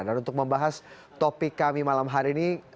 dan untuk membahas topik kami malam hari ini